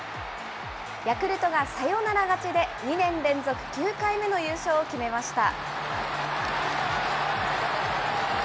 ヤクルトがサヨナラ勝ちで、２年連続９回目の優勝を決めました。